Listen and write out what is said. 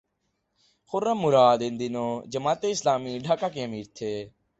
خرم مراد ان دنوں جماعت اسلامی ڈھاکہ کے امیر تھے۔